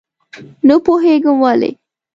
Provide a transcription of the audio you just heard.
نه پوهېږم ولې.